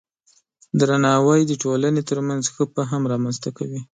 درناوی د ټولنې ترمنځ ښه فهم رامنځته کوي.